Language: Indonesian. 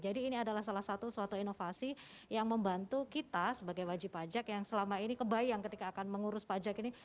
jadi ini adalah salah satu suatu inovasi yang membantu kita sebagai wajib pajak yang selama ini kebayang ketika akan mengurus pajak ini